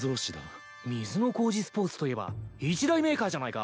水乃小路スポーツといえば一大メーカーじゃないか。